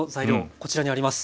こちらにあります。